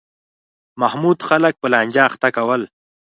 محمود خلک په لانجه اخته کول.